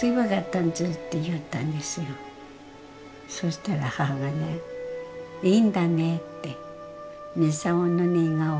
そしたら母がね「いいんだね」って。